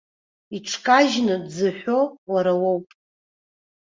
Иҽкажьны дзыҳәо уара уоуп.